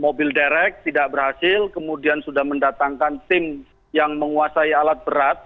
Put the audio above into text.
mobil derek tidak berhasil kemudian sudah mendatangkan tim yang menguasai alat berat